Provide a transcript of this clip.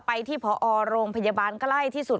ไปที่พอโรงพยาบาลใกล้ที่สุด